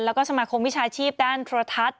แล้วก็สมาคมวิชาชีพด้านโทรทัศน์